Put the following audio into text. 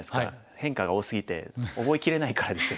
変化が多すぎて覚えきれないからですよ。